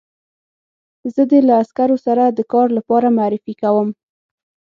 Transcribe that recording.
زه دې له عسکرو سره د کار لپاره معرفي کوم